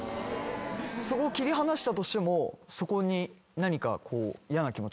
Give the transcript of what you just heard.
そこ切り離したとしてもそこに何か嫌な気持ちがないです。